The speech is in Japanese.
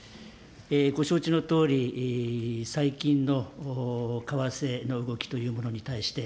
ご承知のとおり、最近の為替の動きというものに対して、